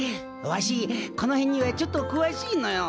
わしこの辺にはちょっとくわしいのよ。